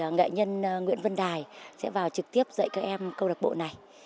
nghệ nhân nguyễn văn đài sẽ vào trực tiếp dạy các em câu lạc bộ này